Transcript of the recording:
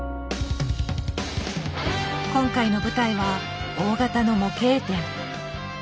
今回の舞台は大型の模型店。